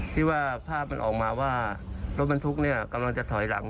ที่ว่าภาพมันออกมาว่ารถบรรทุกเนี่ยกำลังจะถอยหลัง